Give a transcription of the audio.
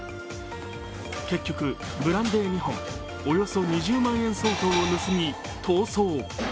結局、ブランデー２本、およそ２０万円相当を盗み逃走。